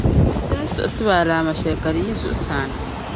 Ti ni siɣisiba alaama shεli ka di yi zuɣusaa na.